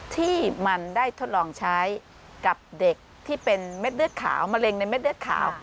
ที่มันได้ทดลองใช้กับเด็กที่เป็นเม็ดเลือดขาวมะเร็งในเม็ดเลือดขาว